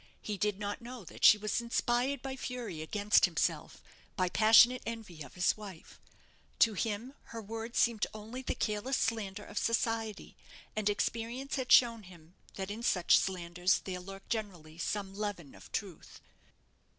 He did not know that she was inspired by fury against himself by passionate envy of his wife. To him her words seemed only the careless slander of society, and experience had shown him that in such slanders there lurked generally some leaven of truth.